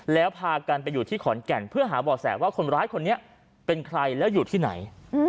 แล้วพากันไปอยู่ที่ขอนแก่นเพื่อหาบ่อแสว่าคนร้ายคนนี้เป็นใครแล้วอยู่ที่ไหน